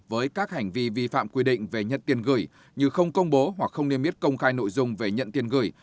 với các hành vi vi phạm quy định về nhận tiền gửi như không công bố hoặc không niêm yết công khai nội dung về nhận tiền gửi